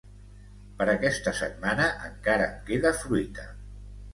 Per aquesta setmana encara em queda fruita